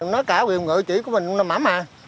nói cả quyền ngợi chỉ của mình ông nam mẩm à